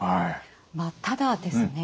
ただですね